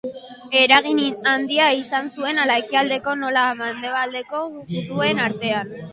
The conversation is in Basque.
Eragin handia izan zuen hala ekialdeko nola mendebaldeko juduen artean.